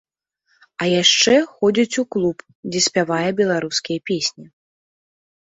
А яшчэ ходзіць у клуб, дзе спявае беларускія песні.